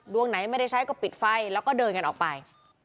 ดวงไหนไม่ได้ใช้ก็ปิดไฟแล้วก็เดินกันออกไป